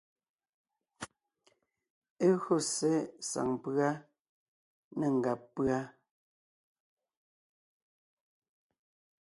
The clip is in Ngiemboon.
E gÿo ssé saŋ pʉ́a né ngàb pʉ́a.